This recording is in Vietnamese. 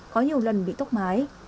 có nhiều lần bị tốc mái